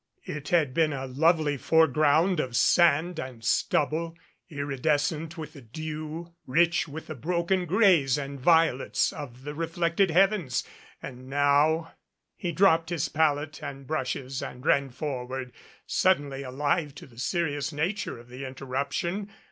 It had been a lovely foreground of sand and stubble, iridescent with the dew, rich with the broken gra}'s and violets of the reflected heavens. And now He dropped his palette and brushes and ran forward, suddenly alive to the serious nature of the interruption.